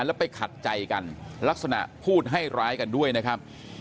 แล้วไปขัดใจกันลักษณะพูดให้ร้ายกันด้วยนะครับ